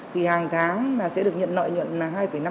thì hàng tháng là sẽ được nhận lợi nhuận là hai năm